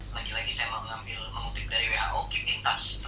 lagi lagi saya mengambil mengutip dari wao keep in touch